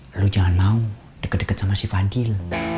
tri lu jangan mau deket deket sama si fadil